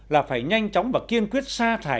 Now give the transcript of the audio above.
là phải nhanh chóng và kiên quyết sa thải